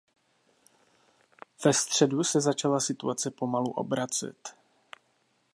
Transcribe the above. Ve středu se začala situace pomalu obracet.